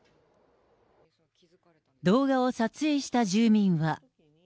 動画を撮影した住民は。